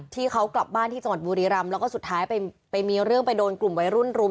ที่เขากลับบ้านที่จังหวัดบุรีรำแล้วก็สุดท้ายไปมีเรื่องไปโดนกลุ่มวัยรุ่นรุม